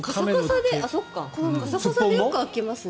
カサカサでよく開けますね。